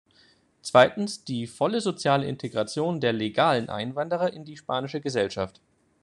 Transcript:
Zweitens, die volle soziale Integration der legalen Einwanderer in die spanische Gesellschaft.